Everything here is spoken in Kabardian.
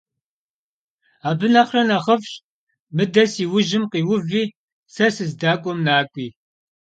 Abı nexhre nexhıf'ş, mıde si vujım khiuvi se sızdek'uem nak'ui.